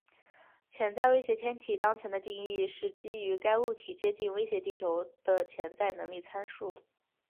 潜在威胁天体当前的定义是基于该物体接近威胁地球的潜在能力参数。